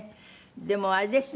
でもあれですね。